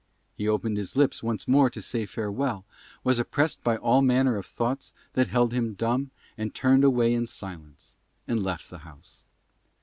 He opened his lips once more to say farewell, was oppressed by all manner of thoughts that held him dumb, and turned away in silence and left the house.